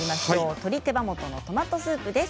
鶏手羽元のトマトスープです。